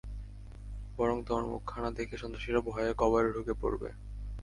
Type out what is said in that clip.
বরং তোমার মুখখানা দেখে, সন্ত্রাসীরা ভয়ে কবরে ঢুকে পড়বে।